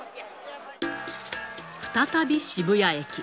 再び渋谷駅。